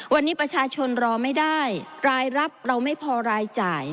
วันนี้ประชาชนรอไม่ได้รายรับเราไม่พอรายจ่าย